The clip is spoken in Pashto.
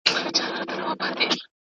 دی تل مجسمه له ځان سره ګرځوي.